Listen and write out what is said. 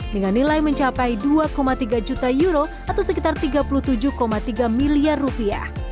dengan nilai mencapai dua tiga juta euro atau sekitar tiga puluh tujuh tiga miliar rupiah